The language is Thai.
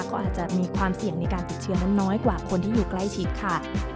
ก็อาจจะมีความเสี่ยงในการติดเชื้อนั้นน้อยกว่าคนที่อยู่ใกล้ชิดค่ะ